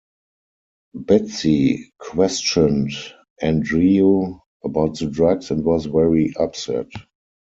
Betsy questioned Andreu about the drugs and was very upset.